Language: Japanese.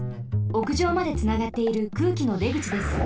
おくじょうまでつながっている空気のでぐちです。